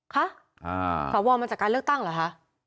คะสวมาจากการเลือกตั้งเหรอคะ